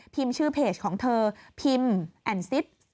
ชื่อเพจของเธอพิมพ์แอนด์ซิส